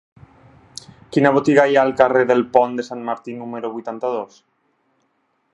Quina botiga hi ha al carrer del Pont de Sant Martí número vuitanta-dos?